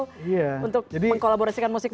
untuk mengkolaborasikan musik mereka